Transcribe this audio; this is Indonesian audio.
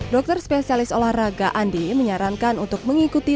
dokter spesialis olahraga andi menyarankan untuk mengikuti